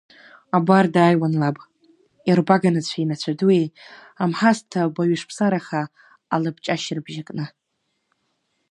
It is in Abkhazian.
Абар дааиуан лаб, ирбага нацәеи инацәа дуи амҳасҭа баҩышԥсараха алабҷашь рыбжьакны.